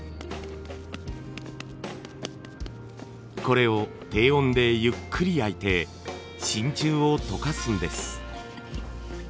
これを低温でゆっくり焼いて真鍮を溶かすんです。